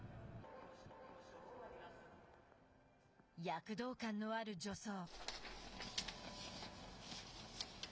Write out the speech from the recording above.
躍動感のある助走。